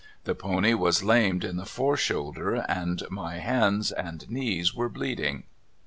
The pon}^ w^as lamed in the fore shoulder, and my hands and knees were bleedingr.